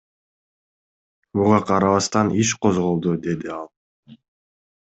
Буга карабастан иш козголду, — деди ал.